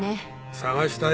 捜したよ